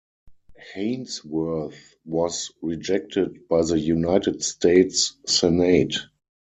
Haynsworth was rejected by the United States Senate.